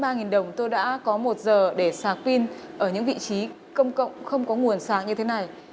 quý vị chỉ mất ba đồng tôi đã có một giờ để sạc pin ở những vị trí công cộng không có nguồn sạc như thế này